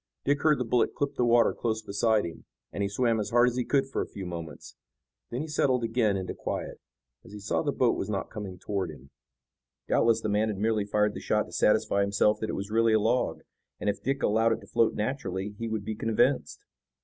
Dick heard the bullet clip the water close beside him, and he swam as hard as he could for a few moments. Then he settled again into quiet, as he saw the boat was not coming toward him. Doubtless the man had merely fired the shot to satisfy himself that it was really a log, and if Dick allowed it to float naturally he would be convinced.